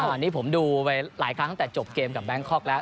อันนี้ผมดูไปหลายครั้งตั้งแต่จบเกมกับแบงคอกแล้ว